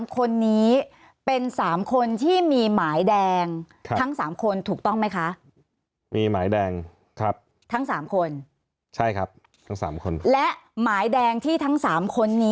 ๓คนนี้เป็น๓คนที่มีหมายแดงทั้ง๓คนถูกต้องไหมคะ